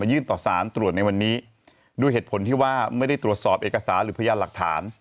ยื่นต่อสารตรวจในวันนี้ด้วยเหตุผลที่ว่าไม่ได้ตรวจสอบเอกสารหรือพยานหลักฐาน